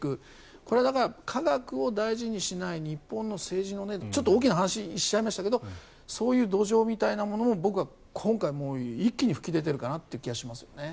これは科学を大事にしない日本の政治のちょっと大きな話をしちゃいましたけどそういう土壌みたいなものが僕は今回一気に噴き出ているかなという気がしますよね。